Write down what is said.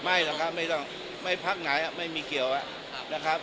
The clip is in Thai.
หรอกครับไม่ต้องไม่พักไหนไม่มีเกี่ยวนะครับ